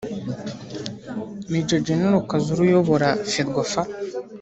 Maj Gen Kazura ayobora Ferwafa